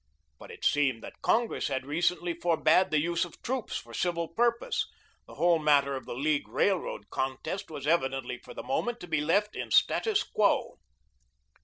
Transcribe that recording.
But it seemed that Congress had recently forbade the use of troops for civil purposes; the whole matter of the League Railroad contest was evidently for the moment to be left in status quo.